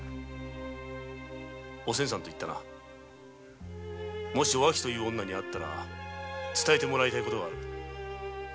おせんさんといったな。おあきという女に会ったら伝えてもらいたい事がある。